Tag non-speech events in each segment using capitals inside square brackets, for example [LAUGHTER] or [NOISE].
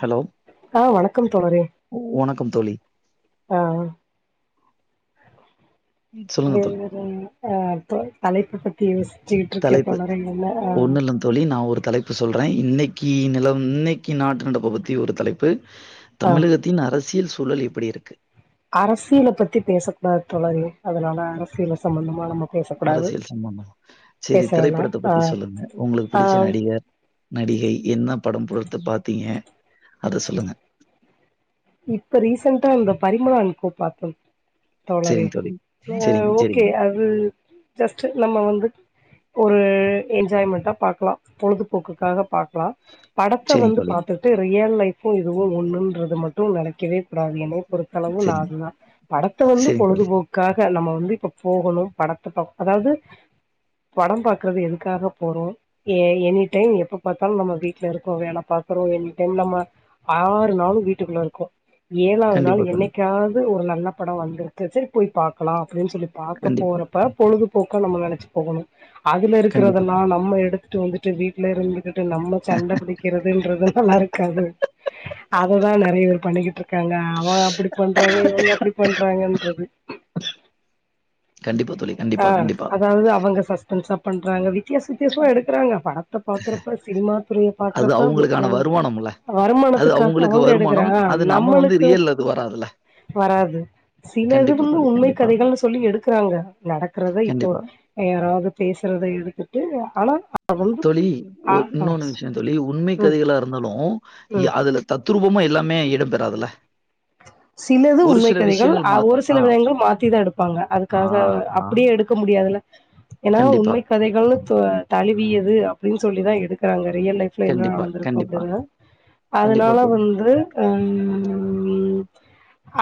Hello ஆ வணக்கம் தோழரே வணக்கம் தோழி ஓ சொல்லுங்க தோழி வேற ஆ தலைப்பு பத்தி யோசிச்சுட்டு இருக்க தலைப்பு தோழரே என்ன அ ஒண்ணு இல்ல தோழி நா ஒரு தலைப்பு சொல்ற இன்னைக்கு நில இன்னைக்கு நாட்டு நடப்ப பத்தி ஒரு தலைப்பு ஆ தமிழகத்தின் அரசியல் சூழல் எப்படி இருக்கு அரசியல பத்தி பேசக்கூடாது தோழரே அதனால அரசியல சம்பந்தமா நம்ம பேசக்கூடாது அரசியல் சம்பந்த சரி பேச வேணா திரைப்படத்த ஆ பத்தி சொல்லுங்க உங்களுக்கு ஆ பிடிச்ச நடிகர் நடிகை என்ன படம் பொடுத்து பாத்தீங்க அத சொல்லுங்க இப்ப ரீசண்டடா இந்த பரிமல அன் கோ பாத்தோ தோழரே சரிங்க தோழி சரிங்க ஓகே சரிங்க அது ஜஸ்ட் நம்ம வந்து ஒரு என்ஜாய்மெண்ட்டா பாகக்கலா பொழுதுபோக்குக்காக பாக்கலா படத்த சரிங்க வந்து தோழி பாத்துட்டு ரியல் லைஃப்பு இதுவு ஒன்னுன்றது மட்டு நினைக்கவே கூடாது என ஒருத்தளவு நா சரிங்க தா படத்த வந்து சரிங்க தோழி பொழுதுபோக்கு க்காக நம்ம வந்து இப்ப போகணு படத்த பா அதாவது படம் பாக்குறது எதுக்காக போறோ ஏ எனி டைம் எப்ப பாத்தாலு நம்ம வீட்ல இருக்கோ வேல பாக்குறோ எனி டைம் நம்ம ஆறு நாளு வீட்டுக்குள்ள இரு கோ ஏழாவது நாள் கண்டிப்பா தோழி என்னைக்காவது ஒரு நல்ல பட வந்திருக்கு சரி போய் பாக்கலா அப்டின் சொல்லி பாக்க கண்டிப்பா போறப்ப பொழுதுபோக்கா நம்ம நெனைச்சு போகணு அதுல கண்டிப்பா இருக்கறதல்லா நம்ம எடுத்து ட்டு வந்துட்டு வீட்ல இருந்துகிட்டு நம்ம சண்டை பிடிக்கிறதுன்றது நல்லா இருக்காது அதுதா நெறய இருக் பண்ணிக்கிட்டு இருக்காங்க அவன் அப்டி பண்றாங்க இவங்க அப்டி பண்றாங்கன்றது கண்டிப்பா தோழி கண்டிப்பா ஆ கண்டிப்பா அதாவது அவங்க சஸ்பென்ஸ்ஸா பண்றாங்க வித்தியாச வித்தியாசமா எடுக்கறாங்க படத்த பாக்குறப்ப சினிமா துறைய அது பாக்குறப்ப அவங்களுக்கான வித்தியா வருமானம்ல அது வருமானத்துக்காக அவங்களுக்கு அவங்க வருமானம். எடுக்கறாங்க அது நம்ம வந்து நம்மளுக்கு ரியல் அது வராதுல்ல. வராது சில இது கண்டிப்பா வந்து தோழி. உண்மை கண்டிப்பா, கதைகள்னு சொல்லி எடுக்கறாங்க நடக்கறத இப்போ கண்டிப்பா. யாராவது பேசுறத எடுத்துட்டு ஆனா தோழி ஆ ஆ இன்னொன்னு விஷய தோழி உண்மை ம் கதைகளா இருந்தாலு ம் அதுல தத்ரூபமா எல்லாமே இடம் பெறாதுல சிலது உண்மை கதைகள்் ஒரு சில விதயங்கள் மாத்திதா எடுப்பாங்க ஆ, அதுக்காக ஆ. அப்டியே எடுக்க முடியாதுல ஏன்னா கண்டிப்பா, உண்மை கதைகள்னு தழுவியது அப்டின் சொல்லிதா எடுக்கறாங்க ரியல் லைஃப் ல என்னா கண்டிப்பா, நடந்திருக்கு கண்டிப்பா, அப்டினு கண்டிப்பா அதனால தோழி. வந்து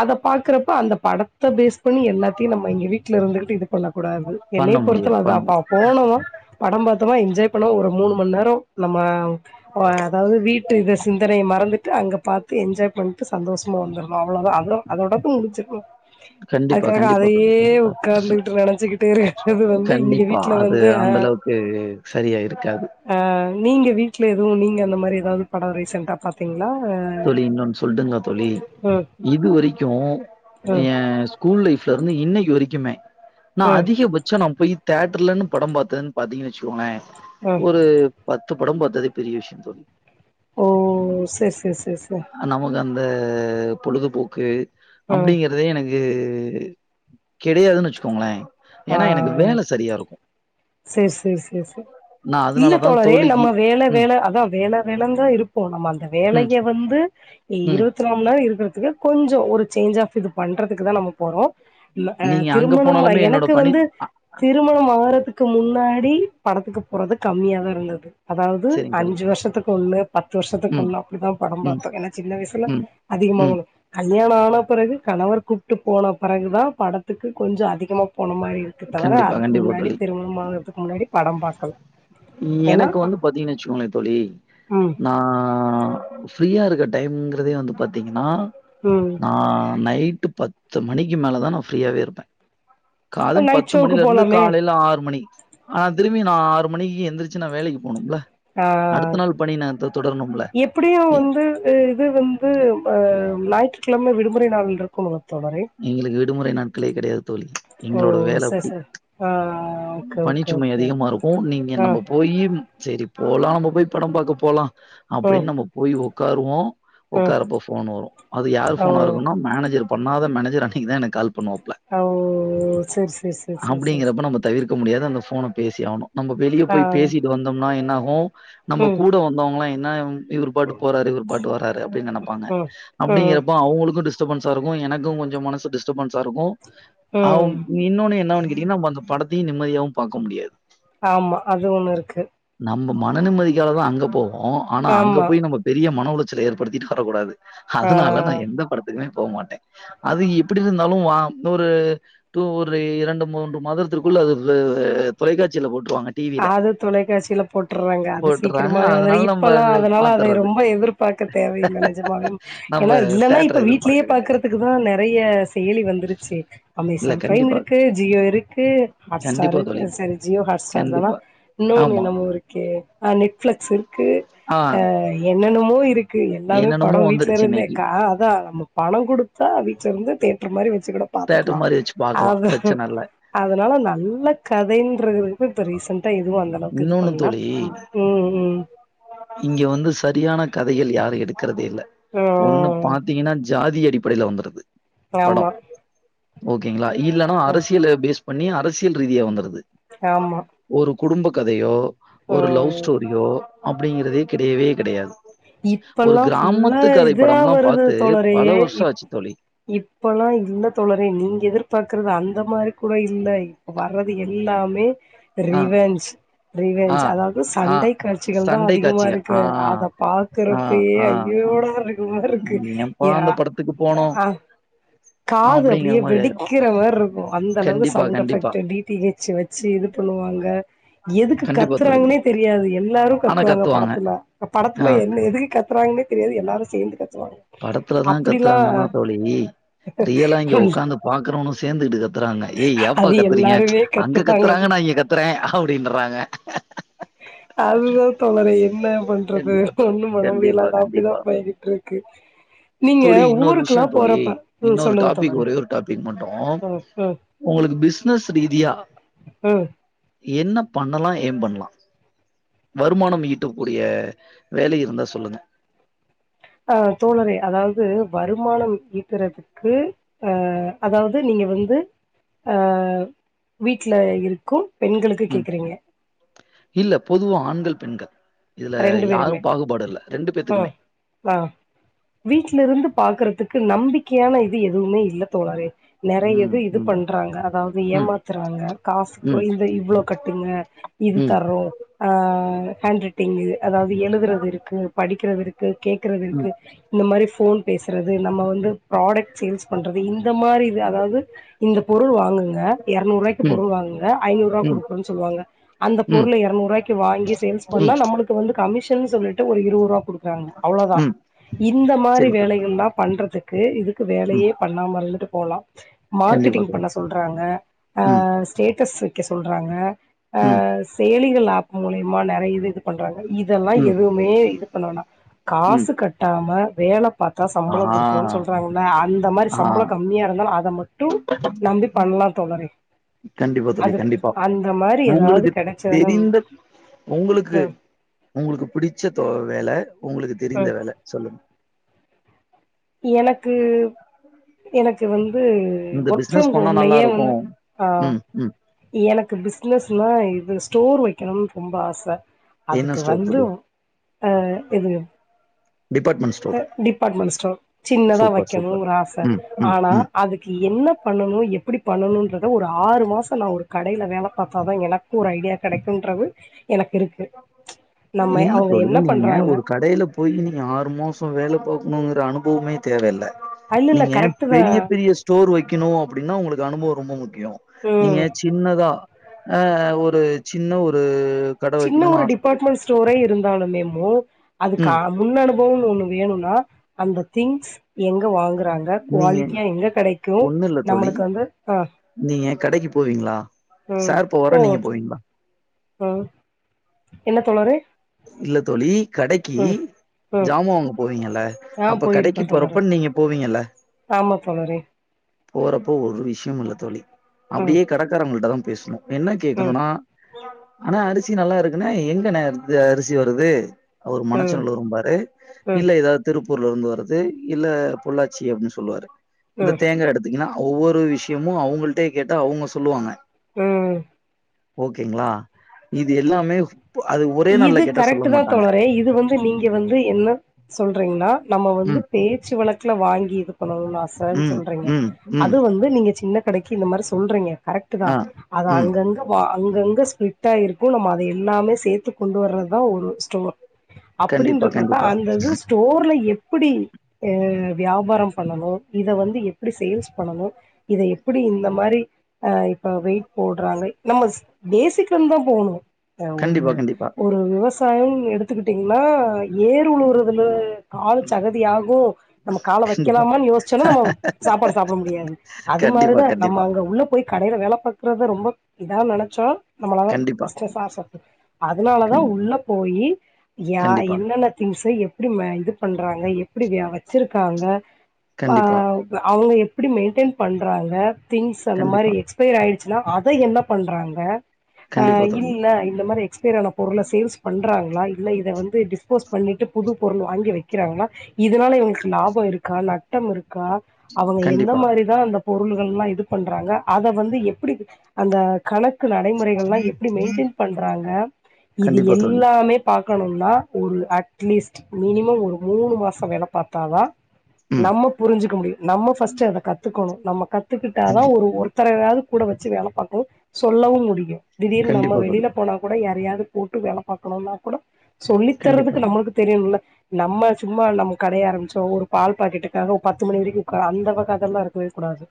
அத பாக்கறப்ப அந்த படத்த ஃபேஸ் எல்லாத்தையும் நம்ம இங்க வீட்டுல இருந்துட்டு இது பண்ணக்க கூடாது பண்ண என்னைய முடியாது. பொறுத்தலும் பண்ண முடியாது. அதான்ம் போனோமா படம் பாத்தோமா என்ஜாய் பண்ணோமா ஒரு மூணு மண் நேரம் நம்ப அதாவது வீட்டு இத சிந்தனைய மறந்துட்டு அங்க பாத்து என்ஜாய் பண்ணிட்டு சந்தோஷம் யா வந்துணும் அவ்வளோதான் அத அதோடக்கு முடிச்சிக்னோம் கண்டிப்பா, அதுக்காக கண்டிப்பா தோழி. அதையே கண்டிப்பா. உட்காந்துகிட்டு நினைச்சுக்கிட்டே இருக்கிறது வந்து இங்க வீட்டுல வந்து அ இது சரியா இருக்காது ஆ நீங்க வீட்ல எதுவும் நீங்க அந்த மாரி ஏதாவது படம் ரீசென்டா பாத்து திங்களா... தோழி இன்னொன்னு சொல்லட்டுங்களா தோழி இது வரிக்கும் ம் ஏன்.. ஸ்கூல் லைஃப்ல இருந்து இன்னைக்கு வரைக்குமே நான் ம் அதிகபட்சம் நான் போய் தியேட்டர்லன்னு படம் பார்த்ததுன்னு பாத்தீங்கன்னு வச்சுக்கோன்ங்களன் ஆ ஒரு.. பத்து படம் பாத்ததே பெரிய விஷயம் தோழி ஓ. சேர் சேர் சேர் சேர் நமக்கு அந்த பொழுதுபோக்கு ம் அப்பிடிங்க இதுவே எனக்கு கெடையாதுன்னு வச்சுக்கோங்களேன் ஏன்னா எனக்கு வேல சரியா இருக்கும். சேர் சேர் சேர் சேர் நா இல்ல அதனாலதா தோழரே தோழிக்கு நம்ம வேல ம் வேல அதான் வேல வேலனுத்தான் இருப் போம் நம்ப அந்த ம் வேலைய வந்து ம் இருபத்தி இத்தனாம் நாள் இருக்குறதுக்கு கொஞ்ஜோம் ஒரு சேஞ்ச் ஆஃப் இது பண்றதுக்கு தான் நம்ம போறோம். இல்ல... எ... நீங்க அங்க திருமணமா போனாலுமே எனக் என்னோட பணி அ திருமணம் ஆவுறதுக்கு முன்னாடி படத்துக்கு போறது கம்மியா தான் இருந்தது அதாவது சரிங்க தோழி அஞ்சு வருஷத்துக்கு ஒண்ணு பத்து வருஷத்துக்கு ம் ஒண்ணு அப்டிதான் படம் ம் பாத்தேன் ஏன்னா சின்ன வயசுல ம் ம் அதிகமாகணும் கல்யாணம் ஆன பிறகு கணவர் கூப்ட்டு போன பிறகுதான் படத்துக்கு கொஞ்சம் அதிகமா போ போன மாரி இருக்கு தவிர கண்டிப்பா அதுக்கு கண்டிப்பா முன்னாடி தோழி திருமணமாகுறதுக்கு முன்னாடி படம் பாக்கல ஏன்னா எனக்கு வந்து பாத்தீங்கின வச்சுக்கோங்களே தோழி ம் நான் ஃப்ரீயா இருக்குற டைம்ங்கிறதே வந்து பாத்தீங்கன்னா ம் நான் நைட்டு பத்து மணிக்கு மேலதான் நான் ஃப்ரீயாவே இருப்பேன் காதும் நைட் பத்து ஷோக்கு மணில இருந்து போலாமே காலையில ஆறு மணி ஆ.. திரும்பியும் நான் ஆறு ம.. எட்டு மணிக்கு எந்திரிச்சு நா வேலைக்கு போகனும்ல ஆ அடுத்த நாள் பணிய நா தொடரணும்ல எப்டியு வந்து இது வந்து ஞாயிற்றுக்கிழமை விடுமுறை நாள் இருக்குனு எங்களுக்கு விடுமுறை நாட்களே கிடையாது தோழி ஓ எங்களோட வேல சரி அப்டி சரி ஆ ஓகே பணி ஓகே சுமை ஓகே அதிகமா இருக்கும் [UNINTELLIGIBLE] ஆ நம்ம. சு போயீ சரி போலாம் நம்ம போய் படம் பாக்க போலாம் ம் அப்டின்னு நம்ம போய் உக்காருவோம் ம் உட்காரப்போ ஃபோன் வரும் அது யார் ஓ ஃபோனா இருக்குனா மேனேஜர் பண்ணாத மேனேஜர் அன்னைக்குதான் எனக்கு கால் பண்ணுவான் ஓ.. ‌சேர் சேர் சேர் சேர் சேர் சேர் அப்படிங்கிறப்ப நம்ம தவிர்க்க முடியாது அந்த போனா பேசி ஆகனும் நம்ம வெளியே ஆ போய் பேசிட்டு வந்தோம்னா என்ன ஆகும் நம்ம ம் கூட வந்தவங்களாம் என்ன இவரு பாட்டு போறாரு இவரு பாட்டு வராரு அப்படினு நைனைப்பாங்க ம் ம் அப்படிங்கிறப்போ அவங்களுக்கும் டிஸ்டர்பன்ஸா இருக்கும் எனக்கு இதும் கொஞ்சம் மனசு டிஸ்டர்பன்ஸ்ஸா இருக்கும் அவன் ம் இன்னொன்னு என்னவேனும்னு கேட்டிங்கனா அந்த படத்தையும் நிம்மதியாவும் பாக்க முடியாது ஆம்மா அது ஒண்ணு இருக்கு நம்ம மன நிம்மதிக்காக தான் அங்க போவோம் ஆனா அங்க ஆமா போய் நமக்கு... பெரிய மன உளைச்சலை ஏற்படுத்திட்டு வரக்கூடாது அதனால ஆ நா எந்த படத்துக்குமே போ மாட்டே அது எப்டி இருந்தாலு அ ஒரு டு ஒரு இரண்டு மூன்று மாதத்திற்குள்ள அது தொலைக்காட்சியில போட்டுருவாங்க டிவில அது தொலைக்காட்சியில போட்டுறாங்க அது போட்டுர்றாங்க. சீக்கிரமாவே வந்துடு அதனால நம்ம இப்பெல்லா அது அதனால அதை பாத்துர்றது. ரொம்ப எதிர்ப் பாக்க தேவையில்ல நிஜமாவேவும் நம்ம ஏன்னா இல்லன்னா தியேட்டர இப்ப வீட்லயே எதிர்பார்க்க கிடையாது. பாக்குறதுக்குதா நெறைய டெய்லி வந்துருச்சே இல்ல அமேசான் பிரைம் கண்டிப்பா. இருக்கு ஜியோ இருக்கு ஹாட்ஸ்டார் கண்டிப்பா தோழி. இருக்கு சோரி ஜியோ ஹாட்ஸ்டார் சாரிதானா கண்டிப்பா. இன்னொன்னு ஆமா. என்னமோ இருக்கே அ நெட் பிளிக்ஸ் இருக்கு ஆ அ என்னென்னமோ இருக் கு எல்லாமே என்னென்னமோ படம் வீட்டுல வந்துருச்சு இருந்தே இன்னைக்கு. கா அதா நம்ம பணம் குடுத்தா வீட்ல இருந்து தியேட்டர் மாரி வச்சுக்கணு பாத்துக்கலா பாகலா பிரச்சன இல்ல அதனால நல்ல கதைன்றது இப்ப ரீசண்டா எதுவு வல்ல ஓரளவுக்கு இது இன்னொன்னு பண்ணல தோழி, ம் ம் இங்க வந்து சரியான கதைகள் யாரு எடுக்கறதே இல்ல ம் ஒன்னு பாத்தீங்கன்னா ஜாதி அடிப்படையில வந்துறது ஆமா ஓகேங்களா இல்லன்னா ம் அரசியல பேஸ் பண்ணி அரசியல் ரீதியா வந்துறது ஆமா ஒரு குடும்ப கதையோ ஒரு லவ் ம் ஸ்டோரியோ அப்டிங்கிறதே கெடையவே கெடையாது இப்பெல்லா ஃபுல்ல இதா படம்லாம் வருது பார்த்து பல தோழரா வருஷம் இப் ஆச்சு தோழி இப்ப எல்லா இல்ல தோழர நீங்க எதிர்பாக்கறது அந்த மாரி கூட இல்ல இப் வர்றது எல்லாமே ஆ ரிவஞ்ச் ஆ ரிவெஞ்ச் அதாவது ஆ சண்டை காட்சிகள் தா சண்டை அதிகமா காட்சிகள் இருக்கு ஆ அதப் ஆ பாக்குறப்பயே ஆ ஐயோட இருக்கமா இருக்கு ஏன்பா யா அந்த படத்துக்கு போனோம் அ காது அப்படிங்கிற அப்டியே மாதிரி வெடிக்கிற மாரி இருக்கு அந்த அளவுக்கு கண்டிப்பா சவுண்ட் கண்டிப்பா எஃபெக்ட்டு டி டி ஹச் வெ ச்சி இது பண்ணுவாங்க எதுக்கு கண்டிப்பா தோழி கத்துறாங்கன்னே தெரியாது எல்லாரு கத்துவாங்க படத்துல ஆ படத்துல என்ன எதுக்கு கத்துறாங்கன்னே தெரியாது எல்லாரு சேந்து கத்துவாங்க படத்துலதா அப்டிலா கத்துறாங்கன்னா தோழி ரியலா இங்க உக்காந்து பாக்குறோன்னு சேந்துகிட்டு கத்துறாங்க ஏய் ஏப்பா அது கத்துறீங்க எல்லாருமே அங்க கத்துவாங்க கத்துறாங்க நா இங் கத் கத்றே அப்டின்றாங்க அதுதா தோழரே என்ன பண்றது கண்டிப்பா தோழி. ஒண்ணு பண்ண முடியல கண்டிப்பா, அது அப்டிதா கண்டிப்பா. போய்கிட்டு இருக் கு நீங்க தோழி இன்னொரு ஊருக்குல்லா விஷயம் தோழி, போறப்ப ம் இன்னொரு சொல்லுங்க டாபிக் தோழரே ஒரே ஒரு டாபிக் மட்டு ம் ம் உங்களுக்கு பிசினஸ் ரீதியா ம் என்ன பண்ணலா ஏம் பண்ணலா வருமானம் ஈட்டக்கூடிய வேலை இருந்தா சொல்லுங்க அ தோழர அதாவது வருமானம் ஈக்குறது கு அ அதாவது நீங்க வந்து அ வீட்டுல இரு கு பெண்களுக்கு ம். கேக்குறீங்க இல்ல பொதுவ ஆண்கள் பெண்கள் இதுல ரெண்டு பேருமே யாரும் பாகுபாடு இல்ல ரெண்டு ம் பேத்துக்குமே ஆ வீட்ல இருந்து பாக்கறதுக்கு நம்பிக்கையான இது எதுவுமே இல்ல தோழரே நெறையது ம், இது ம், பண்றாங்க அதாவது ம், ஏமாத்துறாங்க காசு ம், கோயில இவ்ளோ கட்டுங்க இது ம், ம், தரோ ஆ ஹேண்ட் ரைட்டிங் அதாவுது எழுதுறது இருக்கு படிக்கிறது இருக்கு கேக்றது இருக்கு ம், இந்த மாரி ஃபோன் பேசுறது நம்ம வந்து ப்ராடக்ட் சேல்ஸ் பண்றது இந்த மாரி இது அதாவுது இந்த பொருள் வாங்குங்க எறநூறுவாய்க்கு ம், பொருள் வாங்குங்க ஐநூறுவா ம், குடுக்குறோ சொல்லுவாங்க அந்த ம், பொருள எறநூறுவாய்க்கு வாங்கி சேல்ஸ் ம். அவுங்ளுக்கு வந்து கமிஷனு சொல்லிட்டு ஒரு இருவரூவா குடுக் க்குறாங்க அவ்ளோ தா ம். இந்த மாரி சரிங்க தோழி. வேலைகள்ல்லா பண்றதுக்கு இதுக்கு ம். வேலையே பண் பண்ணாம இருந்துட்டு போலா கண்டிப்பா மார்கெட்டிங் தோழி. பண்ண சொல்றாங்க அ ம். ஸ்டேட்டஸ் வைக்க சொல்றாங்க ஆ ம். செயலிகள் ஆப் மூலியமா நெறைய இது இது பண்றாங்க இதெல்லா ம். எதுவுமே இது பண்ண வேணா ம். காசு கட்டாம வேல பாத்தா ஆ. சம்பளம் குடுக்குரோன்னு சொல்றாங்களா அந்த மாரி ஆ. சம்பளம் கம்மியா இருந்தா அத மட்டு நம்பி பண்ணலா தோழரே கண்டிப்பா தோழி அது கண்டிப்பா அந்த மாரி ஏதாவது உங்களுக்கு கெடைச்சதுன்னா தெரிந்த உங்களுக்கு ம் உங்களுக்கு பிடிச்ச தோ வேல உங்களுக்கு தெரிந்த ம் வேல சொல்லுங்க எனக்கு எனக்கு வந்து இந்த ஒர்க் ஃப்ரம் பிசினஸ் பண்ணா நல்லா ஹோம்லயே ஒண்ணு இருக்கும். ஆ ம். ம். எனக்கு பிஸ்னஸ்னா இது ஸ்டோர் வைக்குணுன் ரொம்ப ஆச என்ன அதுக்கு ஸ்டோர் வந்து தோழி? அ இது டிபார்ட்மெண்ட் ஸ்டோர். டிபார்ட்மெண்ட் ஸ்டோர் சின்னதா சூப்பர், வைக்கணுகுற சூப்பர். ஒரு ஆச ம். ம். ஆனா ம். அதுக்கு என்ன பண்ணணு எப்டி பண்ணணுன்றத ஒரு ஆறு மாசோ நா ஒரு கடைல வேல பாத்தாதா எனக்கு ஒரு ஐடியா கெடைக்கும்ன்றது எனக்கு இருக்கு நம்ம இல்ல அவங்க தோழி என்ன நீங்க பண்றாங்க? ஒரு கடையில போய் நீங்க ஆறு மாசோ வேல பாக்கணுங்கிற அனுபவமே தேவ இல்ல இல்ல, இல்ல நீங்க கரெக்ட்டு தான். பெரிய பெரிய ஸ்டோர் வைக்கணு அப்டின்னா உங்களுக்கு அனுபவோ ரொம்ப முக்கியோ நீங்க ம். சின்னதா ஆ ஒரு சின்ன ஒரு கட் சின்ன ஒரு டிபார்ட்மெண்ட் ஸ்டோரோ இருந்தாலுமேமோ அதுக்கு ம் முன் அனுபவோனு ஒண்ணு வேணுனா அந்த திங்ஸ் எங்க வாங்குறாங்க அ நீங்க குவாலிட்டியா எங்க கெடைக்கு ஒண்ணு இல்ல தோழி நம்மளுக்கு வந்து ஆ நீங்க கடைக்கு போவீங்களா சார் போவாறா நீங்க போவீங்களா அ என்ன தோழரே இல்ல தோழி கடைக்கி ம் ம் ஜாமா வாங்க போவீங்கல்ல ஆ அப்ப போயிருக்கே கடைக்கு தோழரே போறப்ப நீங்க போவீங்கல்ல ஆமா தோழரே போறப்போ ஒரு விஷியோ இல்ல தோழி ம் அப்டியே கடை காரங்களிட்ட தா பேசணு என்ன ம் கேட்குணுனா அண்ணா அரிசி நல்லா இருக்கு எங்கன இருந்து அரிசி வருது அவர் மனச்ச ம் நல்லூர் ம் இல்ல எதாவுது திருப்பூர்ல இருந்து வருது இல்ல பொள்ளாச்சி அப்டின்னு சொல்லுவாரு ம் இந்த தேங்கா எடுத்து பாத்தீங்கன்னா ஒவ்வொரு விஷியமு அவுங்கள்ட்டே கேட்ட அவுங்க சொல்லுவாங்க ம் ஓகேங்ளா இது எல்லாமே அது ஒரே நாள்ல இது கேட்டா சொல்ல கரெக்ட் தா மாட்டாங்க தோழரே இது வந் து நீங்க வந்து என்ன சொல்றீங்கன்னா நம்ம வந்து ம் பேச்சு வழக்குல வாங்கி இது பண்ணணுனா ஆச [UNINTELLIGIBLE] ம் சொல்றீங்க ம் ம் அது வந்து ந்து நீங்க சின்ன கடைக்கு இந்த மாதிரி சொல்றீங்க கரெக்ட் தா ஆ அது ம் அங்கங்க அங்கங்க ஸ்ப்லிட்டாயி இருக்கு ப்போ நம்ம அத எல்லாமே சேத்து கொண்டு வர்றதா ஒரு ஸ்டோர் அப்டின்னு கண்டிப்பா இருக்கிறப்ப கண்டிப்பா அந்த இது ஸ்டோர்ல எப்டி ஆ வியாபாரம் பண்ணணு இத வந்து எப்டி சேல்ஸ் பண்ணணு இத எப்டி இந்த மாரி அ இப்ப வெயிட் போடுறாங்க நம்ம பெசிக்ல இருந்து தா போணு ஆ கண்டிப்பா உர்லு கண்டிப்பா ஆ ம் விவசாயம்னு எடுத்துக்கிட்டிங்கன்னா ஏர் உளுருத்துல கால் சகதியாகு நம்ம கால்ல கண்டிப்பா வைக்கலாமான்னு யோசிச்சோனா நம்ம சாப்பாடு சாப்பிட முடியாது அது கண்டிப்பா மாரிதா கண்டிப்பா நம்ம அங்க உள்ள போய் கடையில வேல பாக்கறது ரொம்ப இதாநெனைச்சோ நம்மள கண்டிப்பா [UNINTELLIGIBLE] அதனாலதா கண்- உள்ள போயி யா கண்டிப்பா என்னென்ன திங்ஸ்ஸு எப் எப்டி ம இது பண்றாங்க எப்டி வ வச்சிருக்காங்க ஆ கண்டிப்பா அவங்க எப்டி மெயின்டெயின் பண்றாங்க திங்ஸ் அந்த மாரி கண்டிப்பா எஸ் ப்பிரி ஆயிடுச்சுனா அத என்ன பண்றாங்க ஆ கண்டிப்பா தோழி இல்ல இந்த மாரி எஸ்ப்பிரி ஆனா பொருள சேல்ஸ் பண்ணுறாங்களா இல்ல இத வந்து டிஸ்போஸ் பண்ணிட்டு புது பொருள் வாங்கி வைக்கிறாங்களா இதனால இவங்களுக்கு லாபோ இருக்கா நட்டம் இருக்கா அவங்க எந்த கண்டிப்பா மாரிதா அந்த பொருள்கள் எல்லா இது பண்றாங்க அத வந்து எப்டி அந்த கணக்கு நடைமுறைகள்ல்லா எப்டி மெயின்டெயின் பண்றாங்க இது கண்டிப்பா தோழி எல்லா மே பாக்கணும்னா ஒரு அட்லீஸ்ட் மினிமம் ஒரு மூணு மாசோ வேல பாத்தாதா ம் நம்ம புரிஞ்சுக்க முடியு நம்ம ஃபர்ஸ்ட் அத கத்துக்கணு நம்ம கத்துக்கிட்டாதா கண்டி ஒரு ஒ ருத்தரையாவது கூட வச்சு வேல பாக்கு சொல்லவு முடியு திடீர்னு நம்ம கண்டிப்பா தோழி வெளில போனா கூட யாரையாவது போட்டு வேல பாக்கணுனா கூட சொல்லி கண்டிப்பா தரதுக்கு தோழி நம்மளுக்கு தெரியுனுல நம்ம சும்மா நம்ம கடைய ஆரம்பிச்சோ ஒரு பால் பாக்கெட்டுக்காக பத்து மணி வரைக்கு உக்கார அந்த கத எல்லா இருக்கவே கூடாது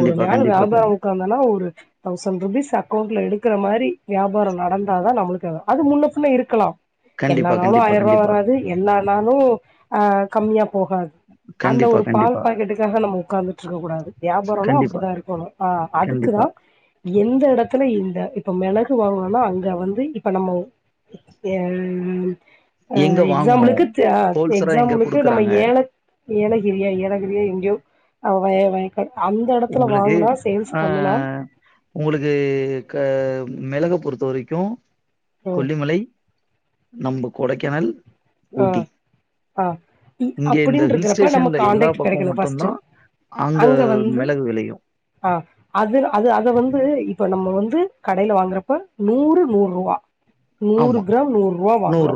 ஒரு நாள் கண்டிப்பா தோழி வியாபாரம் உட்காந்தனா ஒரு தௌசண்ட் ருபீஸ் அக்கௌண்ட்ல எடுக் கிற மாரி வியாபாரம் நடந்தாதா நம்மளுக்கு ஆகு அது முன்ன பின்ன இருக்கலா எல்லா கண்டிப்பா நாளு கண்டிப்பா ஆயிரூபா கண்டிப்பா வராது எல்லா நாளு ஆ கம்மியா போகாது அந்த கண்டிப்பா ஒரு பால் கண்டிப்பா பாக்கெட்டுக் அதுக்காக நம்ம உட்காந்துட்ருக்க கூடாது வியாபாரோனா கண்டிப்பா அப்டிதா இருக்கணு ஆ அதுக்குதா கண்டிப்பா. எந்த எடத்துல இந்த இப்ப மெளகு வாங்கலானா அங்க வந்து இப்ப நம்ம யம் ஆ எங்க வாங்கணும்? எக்ஸாம்பிளுக்கு த்து ஆ ஹோல்சேலா எங்க எக்ஸாம்பிளுக்கு நம்ம குடுக்குறாங்க? ஏல ஏலகிரியா ஏலகிரியா எங்கேயு அவ எவ இப்ப அந்த எடத்துல உங்களுக்கு வாங்கனா சேல்ஸ் ஆ கம்மினா உங்களுக்கு க மெளக பொறுத்த வரைக்கு ம் கொல்லிமலை நம்ப கொடைக்கனல் ஆ ஊட்டி ஆ இ இங்க இந்த அப்டின்னு ஹில் இருக்கிறப்ப நம்ம ஸ்டேஷன்ல எல்லா கான்டாக்ட் பக்கமு கெடைக்கணு ஃபர்ஸ்ட்டு மட்டுந்தா அங்க மெளகு வெளையு ஆ அது அது அத வந்து இப்ப நம்ம வந்து கடையில வாங்குறப்ப நூறு நூரூவா நூறு ஆமா. கிராம் நூரூவா ரூ. வாங்குறோ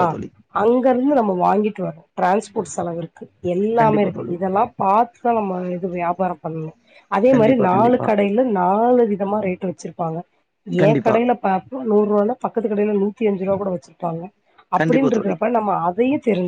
ஆ தோழி. அங்க இருந்து நம்ம வாங்கிட்டு வரோ ட்ரான்ஸ்போர்ட் செலவு இருக்கு எல்லாமே கண்டிப்பா இருக்கு தோழி. இதெல்லா பாத்துதா நம்ம இது வியாபாரம் பண்ணணு அதே மாரி கண்டிப்பா, நாலு கண்டிப்பா. கடையில நாலு விதமா ரேட் வச்சிருப்பாங்க எ கண்டிப்பா. கடையில பா த்தா நூரூவானா பக்கத்து கடையில நூத்தி அஞ்சு ரூவா கூட வச்சிருப்பாங்க அப்டின் கண்டிப்பா தோழி. இருக்கிறப்ப நம்ம அதையு தெரிஞ்